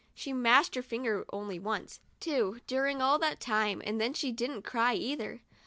She mashed her finger only once, too, during all that time, and then she didn't cry either.